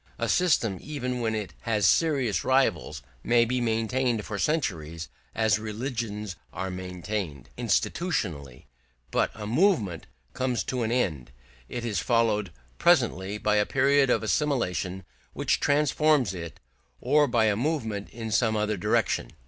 A system, even when it has serious rivals, may be maintained for centuries as religions are maintained, institutionally; but a movement comes to an end; it is followed presently by a period of assimilation which transforms it, or by a movement in some other direction.